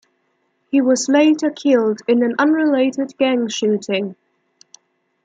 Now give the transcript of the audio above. He was later killed in an unrelated gang shooting.